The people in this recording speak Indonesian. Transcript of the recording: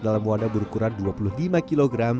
dalam wadah berukuran dua puluh lima kg